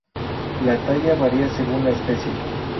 La talla varía según la especie.